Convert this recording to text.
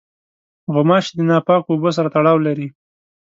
غوماشې د ناپاکو اوبو سره تړاو لري.